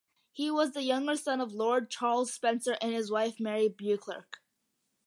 He was the younger son of Lord Charles Spencer and his wife Mary Beauclerk.